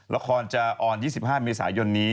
ละครจะอ่อน๒๕มิสาหยนต์นี้